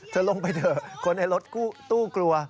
เธอลงไปเถอะคนในรถตู้กลัว